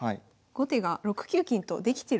後手が６九金とできてるってことなんですね。